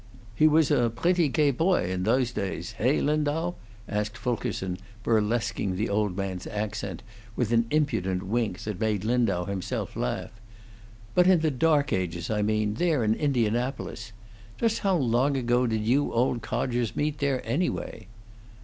"He was a pretty cay poy in those days, heigh, Lindau?" asked Fulkerson, burlesquing the old man's accent, with an impudent wink that made Lindau himself laugh. "But in the dark ages, I mean, there in Indianapolis. Just how long ago did you old codgers meet there, anyway?"